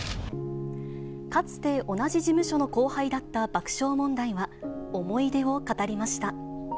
かつて同じ事務所の後輩だった爆笑問題は、思い出を語りました。